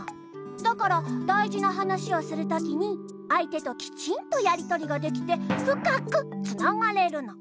だからだいじなはなしをするときにあいてときちんとやりとりができてふかくつながれるの。